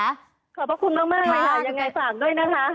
ขอบคุณมากอย่างไรสั่งด้วยนะคะ